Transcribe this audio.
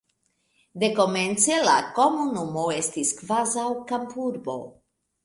Dekomence la komunumo estis kvazaŭ kampurbo.